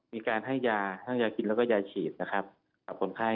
มีการให้ยากินและยาฉีดกับคนไข้